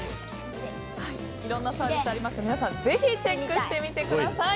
いろんなサービスありますので皆さん、ぜひチェックしてみてください。